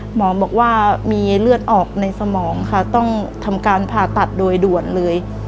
หมอบอกว่ามีเลือดออกในสมองค่ะต้องทำการผ่าตัดโดยด่วนเลย